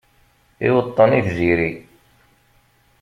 Iweṭṭen i tziri